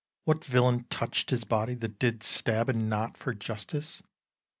What villain touch'd his body, that did stab, And not for justice?